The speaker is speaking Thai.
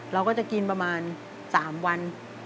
เราก็จะกินประมาณ๓วัน